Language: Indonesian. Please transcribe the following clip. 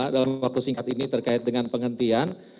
dalam waktu singkat ini terkait dengan penghentian